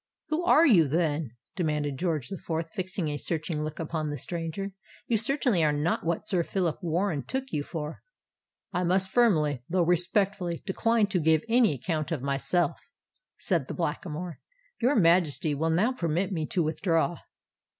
"Who are you, then?" demanded George the Fourth, fixing a searching look upon the stranger. "You certainly are not what Sir Phillip Warren took you for——" "I must firmly, though respectfully, decline to give any account of myself," said the Blackamoor. "Your Majesty will now permit me to withdraw."